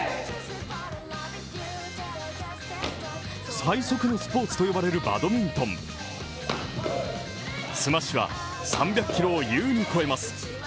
最速のスポーツと呼ばれるバドミントンスマッシュは３００キロを優に超えます。